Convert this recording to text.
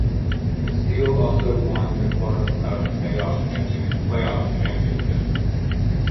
The Steel also won the Clark Cup playoff championship.